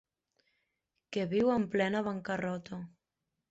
Que viu en plena bancarrota.